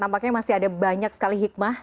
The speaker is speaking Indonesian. tampaknya masih ada banyak sekali hikmah